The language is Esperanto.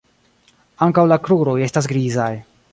Ankaŭ la kruroj estas grizaj.